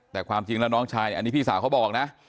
แต่ความจริงแล้วน้องชายอันนี้พี่สาวเขาบอกนะ